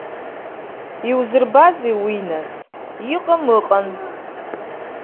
Иузырбазеи уи, нас, иҟам ыҟан?